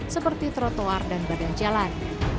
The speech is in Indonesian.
seperti trotoar dan badan jalan